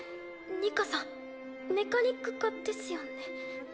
ニカさんメカニック科ですよね？